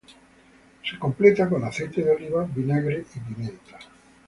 Se completa con aceite de oliva, vinagre y pimienta.